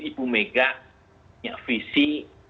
ibu mega punya visi